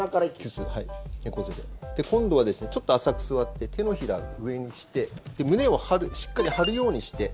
今度はちょっと浅く座って手のひらを上にして胸をしっかり張るようにして。